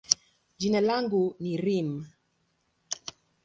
jina langu ni Reem.